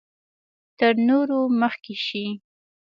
تر نورو مخکې شي.